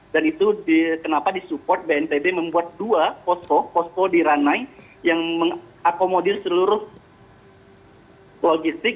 dan itu kenapa disupport bnpb membuat dua pospo pospo di ranai yang mengakomodir seluruh logistik